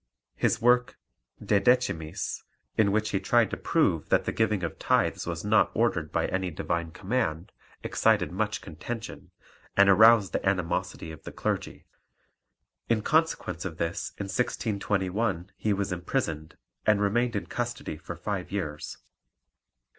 ] His work De Decimis, in which he tried to prove that the giving of tithes was not ordered by any Divine command, excited much contention, and aroused the animosity of the clergy. In consequence of this in 1621 he was imprisoned, and remained in custody for five years.